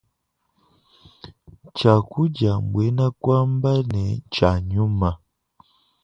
Tshiakudia buena kuamba ne tshia nyuma.